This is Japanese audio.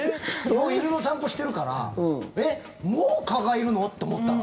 犬の散歩してるからえっ、もう蚊がいるの？って思ったの。